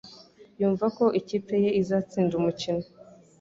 yumva ko ikipe ye izatsinda umukino.